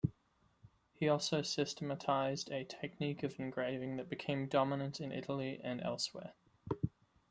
He also systematized a technique of engraving that became dominant in Italy and elsewhere.